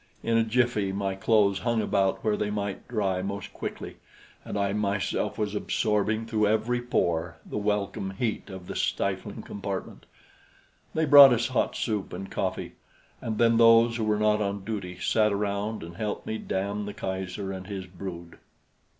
In a jiffy, my clothes hung about where they might dry most quickly, and I myself was absorbing, through every pore, the welcome heat of the stifling compartment. They brought us hot soup and coffee, and then those who were not on duty sat around and helped me damn the Kaiser and his brood.